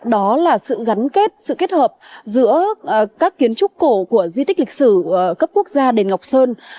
đó là sự gắn kết sự kết hợp giữa các kiến trúc cổ của di tích lịch sử cấp quốc gia đền ngọc sơn